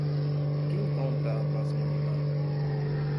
Quem compra a próxima rodada?